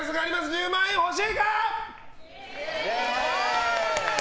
１０万円欲しいか！